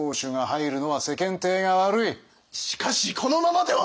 しかしこのままでは！